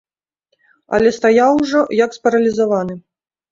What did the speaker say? Але стаяў ужо, як спаралізаваны.